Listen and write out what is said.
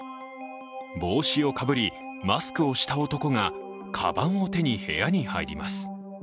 帽子をかぶり、マスクをした男がかばんを手に部屋に入ります。